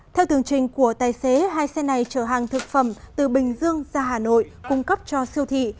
theo tường trình của tài xế hai xe này chở hàng thực phẩm từ bình dương ra hà nội cung cấp cho siêu thị